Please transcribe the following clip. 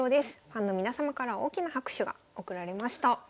ファンの皆様から大きな拍手が送られました。